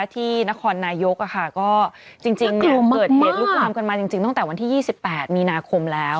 ที่นครนายกก็จริงเกิดเหตุลุกลามกันมาจริงตั้งแต่วันที่๒๘มีนาคมแล้ว